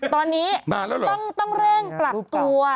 ตอนนี้ต้องเร่งปรับตัว